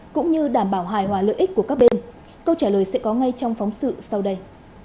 cũng như đảm bảo hài hòa lợi ích của các bên câu trả lời sẽ có ngay trong phóng sự sau đây